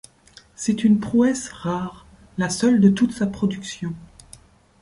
C’est une prouesse rare, la seule de toute sa production.